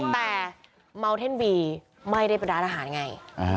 แต่เมาเท่นบีไม่ได้เป็นร้านอาหารไง